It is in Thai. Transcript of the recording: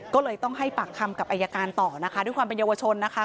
ก็เลยต้องให้ปากคำกับอายการต่อนะคะด้วยความเป็นเยาวชนนะคะ